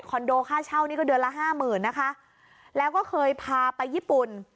โดค่าเช่านี่ก็เดือนละห้าหมื่นนะคะแล้วก็เคยพาไปญี่ปุ่น